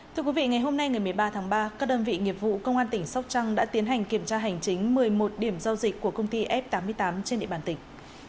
thưa quý vị ngày hôm nay ngày một mươi ba tháng ba các đơn vị nghiệp vụ công an tỉnh sóc trăng đã tiến hành kiểm tra hành chính một mươi một điểm giao dịch của công ty f tám mươi tám trên địa bàn tỉnh